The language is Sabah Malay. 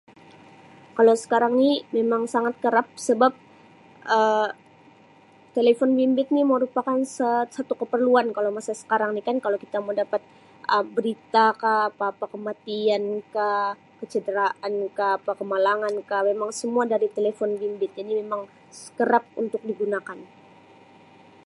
Kalau sekarang ni memang sangat kerap sebab Um telefon bimbit ni merupakan sa-satu keperluan kalau masa sekarang ni kalau kita mau dapat Um berita kah apa-apa kematian kah, kecederaan kah, apa kemalangan kah memang semua dari telefon bimbit jadi memang kerap untuk digunakan.